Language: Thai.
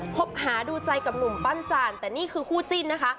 คบหาดูใจกับหนุ่มปั้นจานแต่นี่คือคู่จิ้นนะคะ